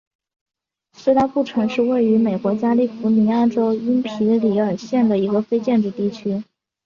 斯拉布城是位于美国加利福尼亚州因皮里尔县的一个非建制地区。